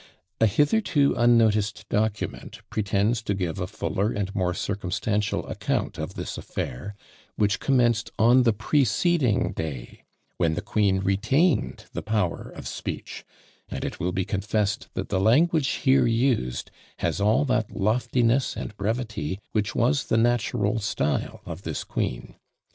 A hitherto unnoticed document pretends to give a fuller and more circumstantial account of this affair, which commenced on the preceding day, when the queen retained the power of speech; and it will be confessed that the language here used has all that loftiness and brevity which was the natural style of this queen.